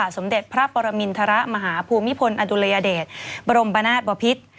สมเด็จพระปรมินทรมาหาภูมิพลอดุลยเดชบรมบนาศบพิษ